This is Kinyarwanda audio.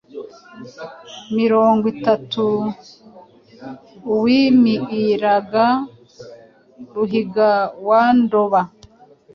mirongwitatu Uwimiiraga Ruhiga wandoba